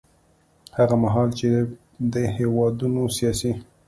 هغه مهال چې دې هېوادونو سیاسي